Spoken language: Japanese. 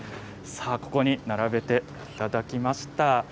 ここに並べていただきました。